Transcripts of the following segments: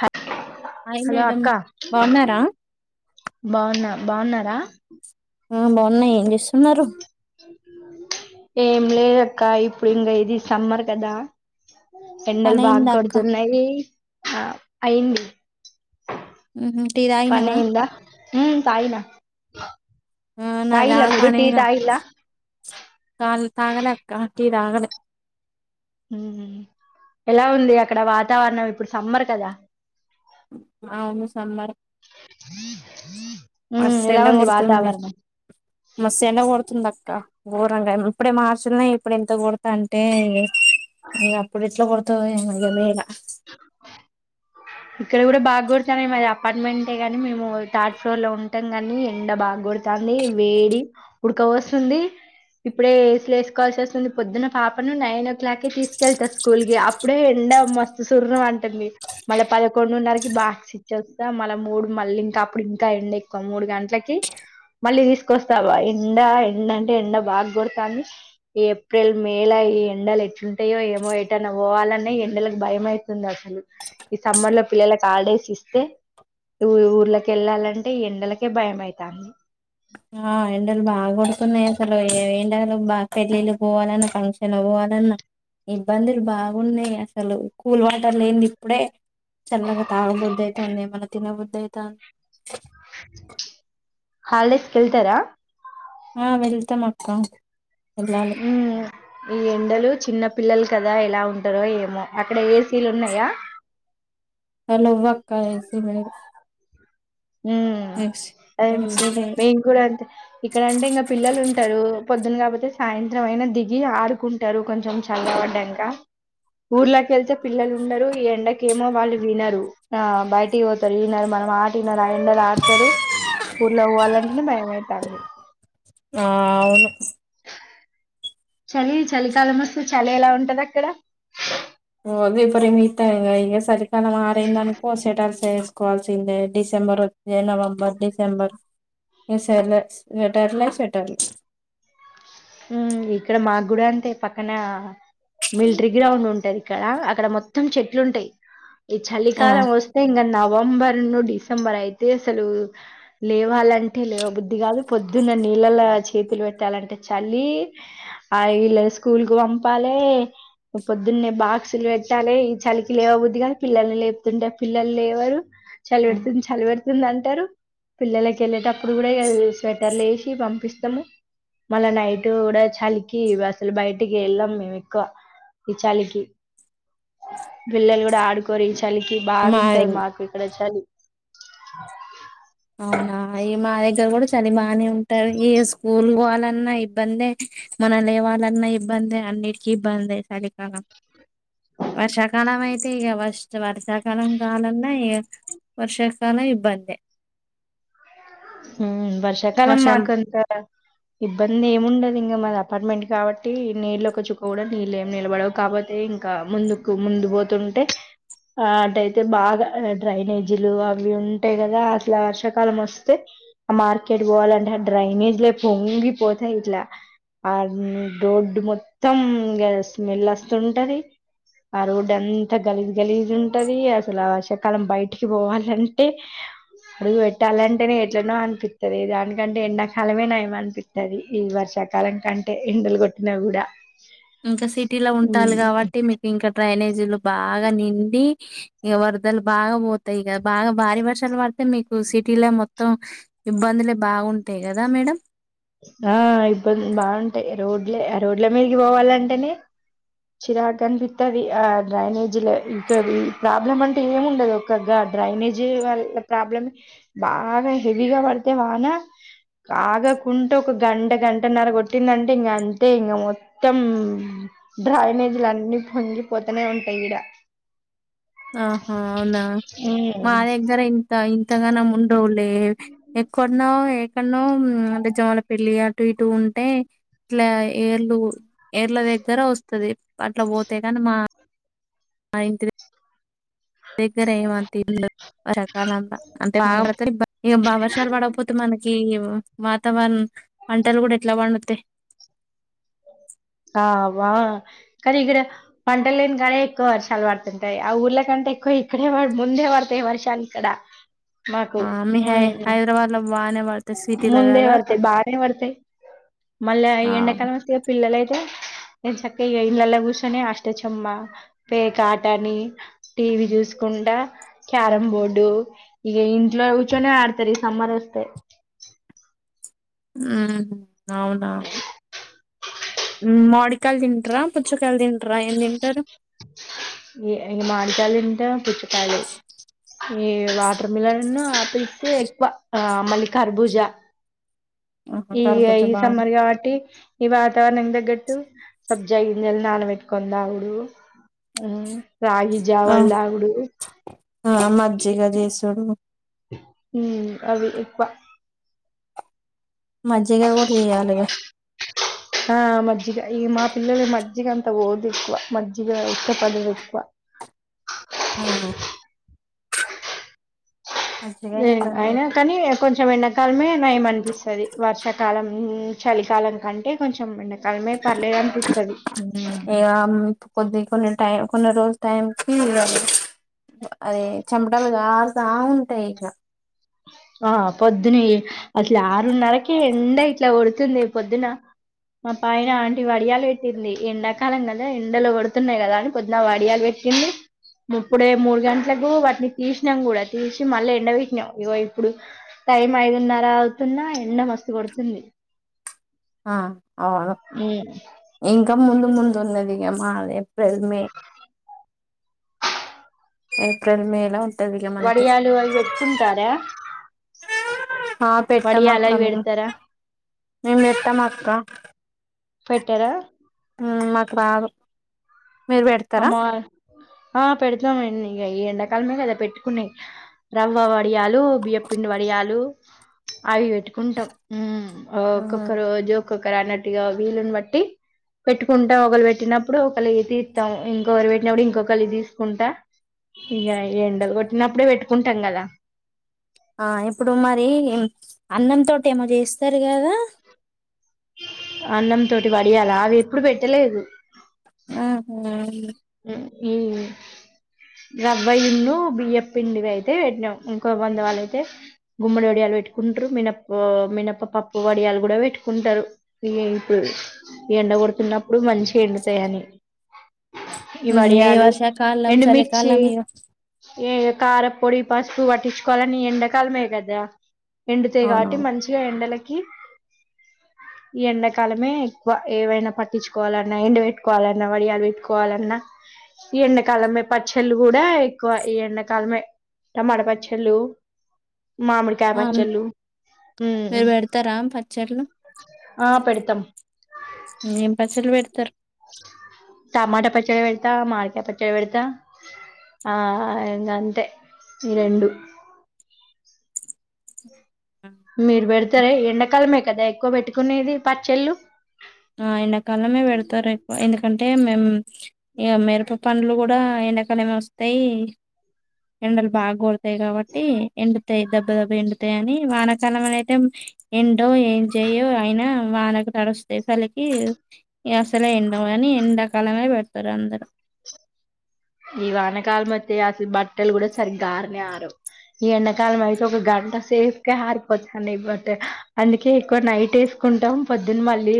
హ hi hello madam అక్క బాగున్నారా బాగున్నా బాగున్నారా ఆ బాగున్నాయిం సున్నారు ఏం లేదక్క ఇప్పుడు ఇంకా ఇది సమ్మర్ కదా ఎండలు పని బాగా అయిందా అక్క కొడుతున్నాయి ఆ అయింది టి తాగినావా మ్మ్ తాగిన ఆ నాదా తాగిల్లా మీరు టీ పనేగా తాగిల్లా చ తాగాలేక్క తగను మ్మ్ ఎలా ఉంది అక్కడ వాతావరణం ఇప్పుడు సమ్మర్ కదా అవును సమ్మర హ మస్త్ ఎండ కొడుతుంది మస్త్ ఎండ కొడుతుంది అక్క బోర్ కొడుతాంది ఇప్పుడే మార్చిలో ఇప్పుడే ఇంత కొడుతాంటే ఈ అప్పుడు ఎట్లా కొడు తో నేను ఉండ లేక ఇక్కడ కూడా బాగు కొడతన్నాయి మాది అపార్ట్మెంటే గానీ మేము థర్డ్ ఫ్లోర్ లో ఉంటాం గాని ఎండ బాగ కోడు తాంది వేడి ఉడుక వోస్తుంది ఇప్పుడే ఏసులు వేసుకోవాల్సి వస్తుంది పొద్దున పాపను నైన్ ఓ క్లాక్ తీసుకెళ్తారు స్కూల్ కి అప్పుడే ఎండ మస్తు సుర్రు అంటుంది మళ్ళ పదకొండున్నరకి బాక్స్ ఇచ్చ వస్తా మళ్ మూడు మళ్ళీ ఇంకా అప్పుడు ఇంకా ఎండ ఎక్కువ మూడు గంటలకి మళ్ళీ తీసుకొస్తావా ఎండ ఎండ అంటే ఎండ బాగా కొడతాంది ఈ ఏప్రిల్ మేలా ఈ ఎండలు ఎట్లుంటాయో ఏమో ఎటన్నా పోవాలన్నా ఎండలకి భయం అయితుంది అసలు ఈ సమ్మర్ లో పిల్లలకి హాలిడేస్ ఇస్తే ఊర్ళకి వెళ్ళాలంటే ఎండలకే భయమయితాంది ఆ ఎండలు బాగు కొడుతున్నాయి అసలు ఏ ఎండలు బా పెళ్లిళ్లు పోవాలన్నా ఫంక్షన్ లకి పోవాలన్నా ఇబ్బందులు బాగున్నాయి అసలు కూల్ వాటర్ లేంది ఇప్పుడే చల్లగా తాగుబుద్దయితాంది మన తినబుద్ దేదాను హాలిడేస్ కెళ్తారా ఆ వెళ్తాం అక్క వెళ్ళాలి ఉ ఈ ఎండలు చిన్న పిల్లలు కదా ఎలా ఉంటారో ఏమో అక్కడ ఏసీలు ఉన్నాయా హలో వక్క ఏసీలు లేవు ఉ అదే ఏసీ లేదు మేం కూడా అంతే ఇక్కడ అంటే ఇంకా పిల్లలు ఉంటారు పొద్దున కాపోతే సాయంత్రం అయినా దిగి ఆడుకుంటారు కొంచెం చల్లబడ్డంక ఊర్లకి వెళ్తే పిల్లలు ఉండరు ఈ ఎండకి ఏమో వాళ్ళు వినరు బయటకి పోతారు వినరు మనమా వినరు ఆ ఎండలో ఆడతారు ఊర్లకు పోవాలన్నా భయం అయితాంది ఆ అవును చలి చలికాలం వస్తు చలి ఎలా ఉంటది అక్కడ అదే పని మీత్తాయి ఇంకా చలి తాను మారింది అనుకో శెటర్స్ చేసుకోవాల్సి దీన్నే డిసెంబర్ ఏ నవం బర్ డిసెంబర్ నేను సైలెన్స్ వెట్టర్లే శెటర్ ఉ ఇక్కడ మాకు కూడా అంతే పక్కన మిలిటరీ గ్రౌండ్ ఉంటది ఇక్కడ అక్కడ మొత్తం చెట్లు ఉంటాయి ఈ ఆ చలికాలం వస్తే ఇంకా నా నవంబర్ ను డిసెంబర్ అయితే అసలు లేవాలంటే లేవబుద్ధి కాదు పొద్దున్న నీళ్ళల చేతులు పెట్టాలంటే చలి ఆ వీళ్ళ స్కూల్ కు పంపాలే పొద్దున్నే బాక్సులు కట్టాలే ఈ చలికి లేవబుద్ది కాదు పిల్లల్ని లేపుతుంటే పిల్లలు లేవరు చలి పెడుతుంది చలి పెడుతుంది అంటారు పిల్లలకి వెళ్ళేటప్పుడు కూడా స్వెటర్లు వేసి పంపిస్తాము మళ్ళా నైట్ కూడా చలికి అసలు బయటికి వెళ్ళాం మేము ఎక్కువ ఈ చలికి పిల్లలు కూడా ఆడుకోరు చలికి మా బాగుంటది మాకు ఇక్కడ చలి అవునా ఇగ మా దగ్గర కూడా కానీ మా అని ఉంటారు ఇగ స్కూల్ వాళ్ ఎట్లన్నా ఇబ్బందే మనం లేవాలన్నా ఇబ్బందే అన్నిటికి ఇబ్బందే చలికాలం వర్షాకాలం అయితే ఇగ ఫస్ట్ వర్షాకాలం రావలన్నా ఇగ వర్షాకాలం ఇబ్బందే మ్మ్ వర్షాకాలం వర్షాలు మాకు అంత ఇబ్బంది ఏమ్ ఉండదు ఇంగా మాది అపార్ట్మెంట్ కాబట్టి నీళ్ళు ఒక చుక్క కూడా నీళ్ళు ఏం నిలబడవు కాకపోతే ఇంకా ముందుకు ముందు పోతుంటే ఆ అటు అయితే బాగా డ్రైనేజీలు అవి ఉంటాయి కదా అసలు ఆ వర్షాకాలం వస్ తే ఆ మార్కెట్ పోవాలంటే ఆ డ్రైనేజ్ లే పొంగిపోతాయి ఇట్లా ఆ రోడ్డు మొత్తం ఇంగ స్మెల్ వస్తుంటది ఆ రోడ్డు అంతా గలీజు గలీజు ఉంటది అసలు ఆ వర్షాకాలం బయటికి పోవాలంటే అడుగు పెట్టాలంటే టెనే ఎట్లనో అనిపిత్తది దానికంటే ఎండాకాలమే నయం అనిపిత్తది ఈ వర్షాకాలం కంటే ఎండలు కొట్టిన కూడా ఇంకా సిటీలో ఉంటాలు కాబట్టి మీకు ఇంకా డ్రైనేజ్ జీలు బాగా నిండీ ఇగ వరదలు బాగా పోతాయి కదా బాగా భారీ వర్షాలు పడితే మీకు సిటీలో మొత్తం ఇబ్బందులే బాగుంటాయి కదా మేడం ఆ ఇబ్బంది బాగుంటాయి రోడ్లే ఆ రోడ్ల మీదకి పోవాలంటేనే చిరాకు అనిపిస్తది ఆ డ్రైనేజీల ఇంకా ప్రాబ్లం అంటే ఏముండదు ఒక గా డ్రైనేజీ వాళ్ల ప్రాబ్లం బాగా హెవీగా పడితే వాన బాగా కుంటూ ఒక గంట గంటన్నర కొట్టిందంటే ఇగ అంతే ఇగ మొత్తం డ్రైనేజ్లు అన్ని పొంగిపోతనే ఉంటాయి ఇగ ఆహా అవునా మా ఉమ్ దగ్గర ఇంత ఇంతగానమ్ ఉండవు. ఏ ఎక్కన్నో ఎక్కనో అంటే జమల పెళ్లి అటు ఇటు ఉంటే ఇట్లా ఏర్లు ఏర్ల దగ్గర వస్తది అట్లా పోతే కాని మా మా ఇంటి దగ్గర ఏమంత ఇల్లు రకాల అంత అంటే బాగా ఉమ్, పడితే ఇబ్బంది ఇగ బాగా వర్షాలు పడకపోతే మన ఏమో వాతావరణం పంటలు కూడా ఎట్లా పండుతాయి. ఆ అవ కానీ ఇక్కడ పంటలేని కాడ ఎక్కువ వర్షాలు పడుతుంటాయి. ఆ ఊర్ళ కంటే ఎక్కువ ఇక్కడే అడా ముందే పడతాయి వర్షాలు ఇక్కడ మాకు ఆ మి హై ఉమ్, హైదరాబాద్ బాగానే పడతాయి సిటీలో ముందే కదా వడుతయి పడతాయి బానే వడుతయి మళ్ళా ఈ ఆ ఎండాకాలం వస్తే పిల్లలు నేను చక్కగ ఇగ ఇళ్లల్ల కూర్చొనే అష్టచమ్మ పేకాటని టీవీ చూసుకుంట క్యారం బోర్డు ఇగ ఇంట్లో కూర్చొనే ఆడతరు ఈ సమ్మరొస్తే సు ఊమ్ అవునా ఉమ్ మాడికాయల్ తింట్రా పుచ్చకాయల్ తింట్రా ఏం తింటరు. ఈ ఎ మాడికయల్ తింట పుచ్చకాయల్ ఈ వాటర్ మిలన్ ఉన్ను ఆ ఏ ఎక్కువ ఆ మళ్ళీ ఖర్భుజ ఆహా ఇగ కర్బూజా ఈ బానే సమ్మర్ కాబట్టి ఇవా వాతావరణంకి తగ్గట్టు సబ్జ గింజలు నానబెట్టుకుని తాగుడు ఉమ్ రాగి ఆ జావలు తాగుడు ఆ మజ్జిగ చేసుడు హ్మ్ అవి ఎక్కువ మజ్జిగ గూడ చెయ్యాలి ఇగ జ్జిగ ఇగ మా పిల్లొల్లకి మజ్జిగ అంత పోదు ఎక్కువ మజ్జిగ ఇష్టపడరెక్కువ ఆ మజ్జిగ ఇబ్బంది అయినా అయితది కానీ కొంచెం ఎండాకాలమే నయం అనిపిస్తది వర్షాకాలం హ్మ్ చలికాలం కంటే కొంచెం ఎండాకాలమే పర్లేదనిపిత్తది ఇగ మ్మ్ కొద్ది కో టైం కొన్ని రోజు టైం కి అదే చెమటలు కారతా ఉంటాయి ఇగ ఆ పొద్దునే అసలు ఆరున్నరకే ఎండ ఇట్ల కొడుతుంది పొద్దున మా పైన ఆంటి వడియాలు పెట్టింది ఎండాకాలం కదా ఎండలు కొడుతున్నయి కదా అని పొద్దున్న వడియాలు పెట్టింది ముప్పుడే మూడు గంటలకు వాటిని తీషినం కూడా తీషి మళ్ళ ఎండ పెట్టినం ఇగో ఇ ప్పుడు టైం ఐదున్నర అవుతున్నా ఎండ మస్తు కొడుతుంది ఆ అవును ఉమ్. ఇంక ముందు ముందు ఉంది మాల్ ఏప్రిల్ మే ఏప్రిల్ మే ల ద్దదిగా మనకి వడియాలు అవి పెట్టుకుంటారా ఆ పెట్టం వడియాలు అక్క అవి మేము పెడతారా మేము పెట్టం అక్క పెట్టరా ఉమ్ మాక్ రాదు మీరు పెడతరా అమ్మ ఆ పెడతం అన్ని ఇగ ఈ ఎండాకాలమే కదా పెట్టుకున్నయి రవ్వ వడియాలు బియ్యపిండి వడియాలు అవి పెట్టుకుంటాం ఉమ్ ఆ ఉహు. ఒక్కొక్క రోజు ఒక్కొకరు అన్నట్టుగా వీలుని బట్టి పెట్టుకుంటం ఒకళ్ళు పెట్టినప్పుడు ఒకళ్ళు ఇంకొకరు పెట్టినప్పుడు ఇంకొకలియి తీసుకుంటా ఇగ ఎండ కొట్టినప్పుడే పెట్టుకుంటం కదా ఆ ఇప్పుడు మరి అన్నం తోటి ఏమో చేస్తారు కదా అన్నం తోటి పడియాలా అవి ఎప్పుడు పెట్టలేదు ఆ ఈ రబయిన్ను బియ్య పిండివి అయితే పెట్ ఇంకో వంద వాళ్ళు అయితే గుమ్మడి వడియాలు పెట్టుకుంటారు మినప్ప మినప్ప పప్పు వడియాలు కూడా పెట్టుకుంటారు ఈ ఇప్పుడు ఎండ కొడుతున్నప్పుడు మంచి ఎండుతాయి అని ఏ వర్ష కల్ళం చాల ఎండుమిర్చి కళ్ళం మీరు ఏ కారపొడి పసుపు పట్టించుకోవాలని ఎండాకాలమే కదా ఎంతే కాబట్టి మంచిగా ఎండలకి ఈ ఎండాకాలమే ఎక్కువ ఏవైనా పట్టించుకోవాలన్నా ఎండ పెట్టుకోవాలన్నా వడియాలు పెట్టు ఎవాలన్నా ఈ ఎండాకాలమే పచ్చళ్ళు కూడా ఎక్కువ ఈ ఎండాకాలమే టమాట పచ్చళ్ళు మామిడికాయ ఆ పచ్చళ్ళు మీరు ఉమ్ పెడతారా పచ్చర్లు ఆ పెడతం ఏం పచ్చల్ బడతారు టమాటా పచ్చడి పెడతా మడికాయ పచ్చడి పెడతా ఆ ఇకాంతే ఈ రెండు మీరుబేడ్ రే ఎండాకాలమే కదా ఎక్కువ పెట్టుకునేది పచ్చళ్ళు ఆ ఎన్న కాలమే వెడుతుర ఇ ఎందుకంటే మేము ఇక మిరప పనుడ్లు కూడా ఎండాకాలం వస్తాయి ఎండలు బాగా కోడతాయి కాబట్టి ఎండుతాయి దెబ్బ దెబ్బ ఎండుతాయ అని వానకాలం అనయితే ఎండో ఏం చెయో అయినా వానకు తడుస్త ఎసలికి అసలే ఎండం కాని ఎండాకాలమే పెడతారు అందరూ ఈ వానకాలం అతే అసలు బట్టలు కూడా సరిగ్గా ఆరనే ఆరావు ఈ ఎండాకాలం అయితే ఒక గంట సెప్కే ఆరిపోతాయి ఈ బట్ట అందుకే ఎక్కువ నైట్ వేసుకుంటాం పొద్దున్న మళ్ళీ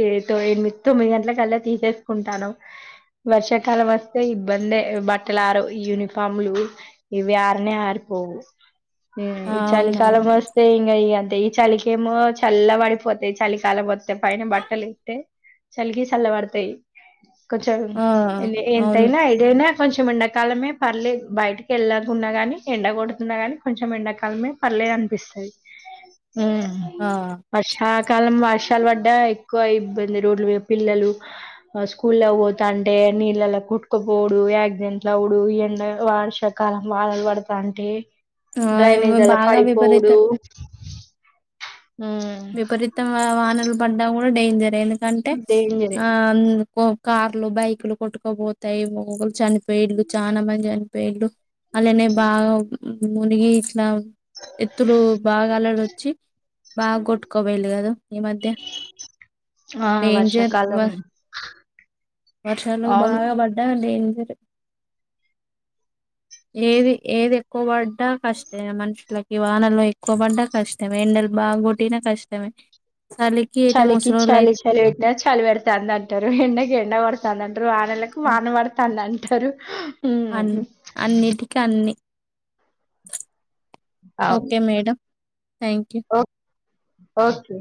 ఎనిమిది తొమ్మిది గంటల కల్లా తీసేసుకుంటాను వర్షాకాలం వస్తే ఇబ్బందే బట్ట టలు అరువు యూనిఫార్మ్ లు ఇవి ఆరనే ఆరిపోవు ఆ ఈ చలి అవునవును కాలామ్ వస్తే ఇంగ ఈంత ఈ చలికి ఏమో చల్ల పడిపోతాయి చలికాల మొత్తం పైన బట్టలు ఇస్తే చలిగి చల్లబడతాయి చ ఆ అవును ఎంతైనా ఇదైనా కొంచెం ఎండాకాలమే పర్లేదు బయటికి వెళ్ళకున్నా గాని ఎండగొడుతున్నా గానీ కొంచెం ఎండాకాలమే పర్లేదు అనిపిస్తది ఉ ఆ పషా కాలం వర్షాలు వడ్డ ఎక్కువ ఇబ్బంది రోడ్లు పిల్లలు స్కూల్లో పోతాంటే నీళ్ళలో కుట్టుకపోడు ద ఇంట్లో ఉడు ఎండ వర్షాకాలం వాడలు పడతా అంటే ఆ డ్రైనేజ్ అలా బాగా విపరీత పడిపోవుడు ఉమ్ విపరీతం వానలు పన్న కూడా డైయింజరే దేనికంటే డేంజరే ఆ ఓ కార్లు బైక్లు కొట్టుకోపోతాయి ఒక్కొక్కరు చనిపోయి చాలా మంది చనిపోయేళ్లు అలానే బాగ మునిగేసినవు ఎతులు బాగాలుడు వచ్చి బగ కొట్టుకుపోయింది కద ఈ మధ్య ఆ డేంజర్ వర్షాకాలం వర్షలు అవును బాగా పడ డే ఏది ఏది ఎక్కువ పడ్డా కష్టమే మనుషులకి వానలో ఎక్కువ పడ్డా కష్టమ ఎండలు బాగు ఏదైనా కష్టమే చలికి అయితే చలికి ముసలోళ్ళు చలి అయితే చలి పెన చలి పెడుతుంది అంటారు ఎండకి ఎండ పడుతుందింట టారు వానలకు వాన పడతానంటారు సరు అ అన్నిటికి అన్ని అవును ఓకే మేడం థ్యాంక్ యూ ఓ ఓకే